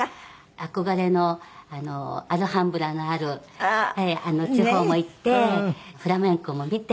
憧れのアルハンブラのある地方も行ってフラメンコも見て。